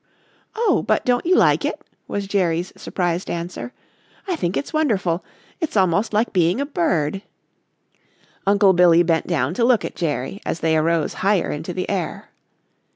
"Oh, but don't you like it?" was Jerry's surprised answer. "I think it's wonderful. It's almost like being a bird." Uncle Billy bent down to look at Jerry as they arose higher into the air.